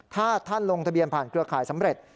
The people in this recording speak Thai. ถ้าท่านลงทะเบียนผ่านเครือข่ายสำเร็จ